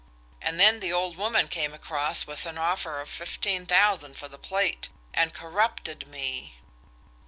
And then the old woman came across with an offer of fifteen thousand for the plate, and corrupted me."